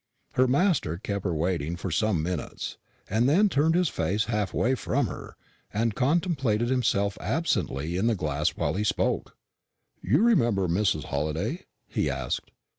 Her master kept her waiting so for some minutes, and then turned his face half away from her, and contemplated himself absently in the glass while he spoke. "You remember Mrs. Halliday?" he asked.